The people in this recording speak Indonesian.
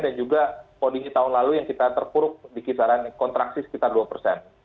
dan juga kondisi tahun lalu yang kita terpuruk di kisaran kontraksi sekitar dua persen